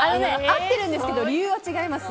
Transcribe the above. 合ってるんですけど理由は違います。